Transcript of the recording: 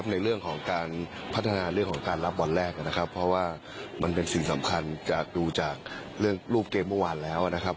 ในเรื่องของการพัฒนาเรื่องของการรับวันแรกนะครับเพราะว่ามันเป็นสิ่งสำคัญจากดูจากเรื่องรูปเกมเมื่อวานแล้วนะครับ